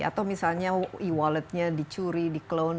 atau misalnya e walletnya dicuri di clone